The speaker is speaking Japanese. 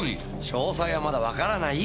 詳細はまだわからない！